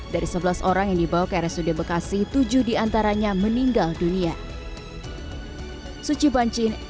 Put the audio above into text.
dari sebelas orang yang dibawa ke rsud bekasi tujuh diantaranya meninggal dunia